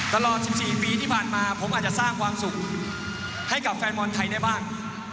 ตลอด๑๔ปีที่ผ่านมาผมอาจจะสร้างความสุขให้กับแฟนบอลไทยได้บ้าง